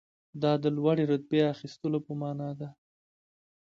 دا د لوړې رتبې اخیستلو په معنی ده.